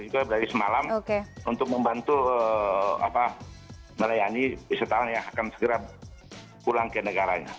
juga dari semalam untuk membantu melayani wisatawan yang akan segera pulang ke negaranya